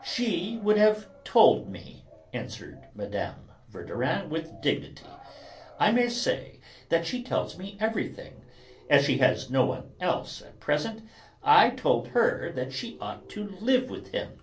"She would have told me," answered Mme. Verdurin with dignity. "I may say that she tells me everything. As she has no one else at present, I told her that she ought to live with him.